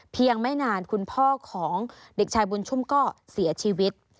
ไม่นานคุณพ่อของเด็กชายบุญชุ่มก็เสียชีวิต